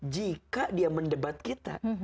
jika dia mendebat kita